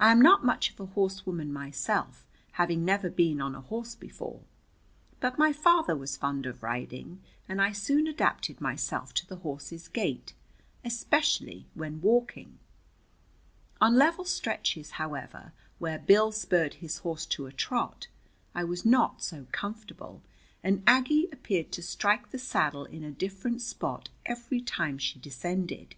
I am not much of a horsewoman myself, having never been on a horse before. But my father was fond of riding, and I soon adapted myself to the horse's gait, especially when walking. On level stretches, however, where Bill spurred his horse to a trot, I was not so comfortable, and Aggie appeared to strike the saddle in a different spot every time she descended.